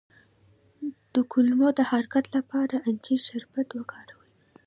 د کولمو د حرکت لپاره د انجیر شربت وکاروئ